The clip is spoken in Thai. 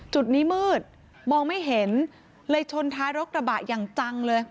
จุดนี้มืดมองไม่เห็นเลยชนท้ายรถกระบะอย่างจังเลย